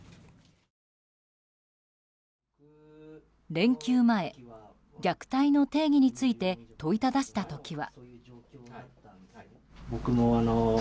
連休前、虐待の定義について問いただした時は。